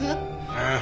ああ。